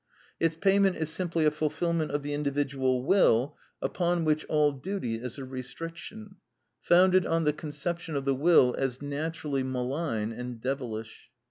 Its payment is simply a fulfilment of the individual will, upon which all duty is a restriction, founded on the conception of the will as naturally malign and devilish.